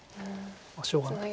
しょうがないです。